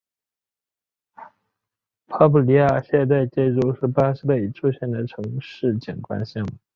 潘普利亚现代建筑是巴西的一处现代城市景观项目。